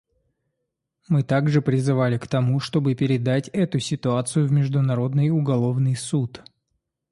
Мы также призывали к тому, чтобы передать эту ситуацию в Международный уголовный суд.